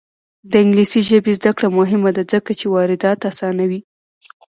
د انګلیسي ژبې زده کړه مهمه ده ځکه چې واردات اسانوي.